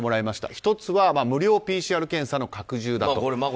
１つは無料ＰＣＲ検査の拡充だと。